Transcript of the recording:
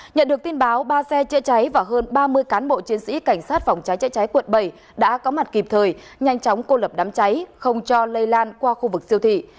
nhận được tin báo ba xe chữa cháy và hơn ba mươi cán bộ chiến sĩ cảnh sát phòng cháy chữa cháy quận bảy đã có mặt kịp thời nhanh chóng cô lập đám cháy không cho lây lan qua khu vực siêu thị